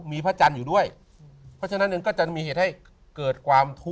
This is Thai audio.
มีพระจันทร์อยู่ด้วยเพราะฉะนั้นเองก็จะมีเหตุให้เกิดความทุกข์